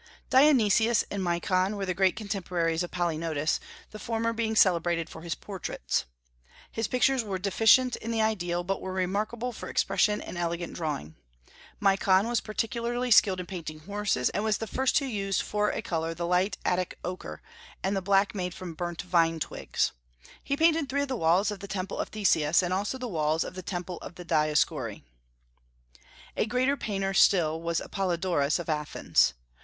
Dionysius and Mikon were the great contemporaries of Polygnotus, the former being celebrated for his portraits. His pictures were deficient in the ideal, but were remarkable for expression and elegant drawing. Mikon was particularly skilled in painting horses, and was the first who used for a color the light Attic ochre, and the black made from burnt vine twigs. He painted three of the walls of the Temple of Theseus, and also the walls of the Temple of the Dioscuri. A greater painter still was Apollodorus of Athens.